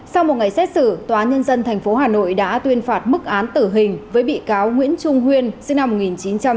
sau một ngày xét xử tòa nhân dân tp hà nội đã tuyên phạt mức án tử hình với bị cáo nguyễn trung huyên sinh năm một nghìn chín trăm tám mươi